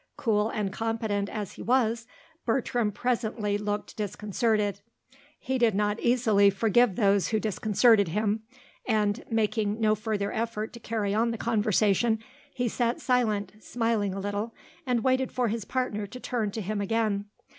Cool and competent as he was, Bertram presently looked disconcerted; he did not easily forgive those who disconcerted him, and, making no further effort to carry on the conversation, he sat silent, smiling a little, and waited for his partner to turn to him again.